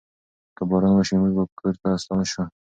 که باران وشي، موږ به کور ته ستانه شو.